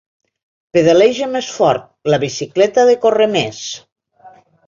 Pedaleja més fort, la bicicleta ha de córrer més!